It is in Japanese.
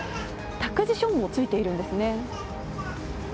託児所もついているんですね。